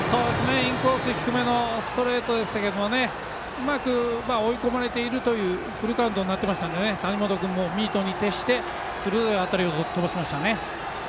インコース低めのストレートでしたけどうまく追い込まれているというフルカウントになっていましたので谷本君もミートに徹して鋭い当たりを飛ばしましたね。